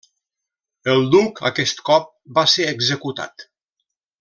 El duc, aquest cop, va ser executat.